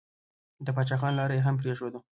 د پاچا خان لاره يې هم پرېښوده.